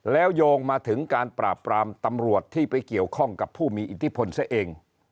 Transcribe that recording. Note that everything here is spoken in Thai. แล้วโยงมาถึงการปราบปรามตำรวจที่ไปเกี่ยวข้องกับผู้มีอิทธิพลซะเอง